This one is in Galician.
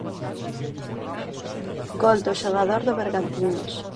Gol do xogador do Bergantiños.